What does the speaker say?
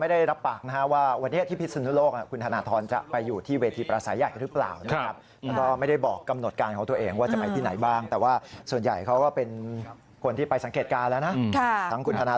มาร่วมเรียกร้องประชาธิปไตยไปด้วยกันนะครับ